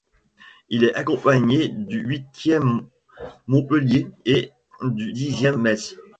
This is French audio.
Il est accompagné du huitième, Montpellier, et du dixième, Metz.